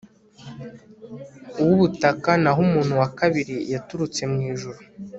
uw'ubutaka naho umuntu wa kabiri yaturutse mw'ijuru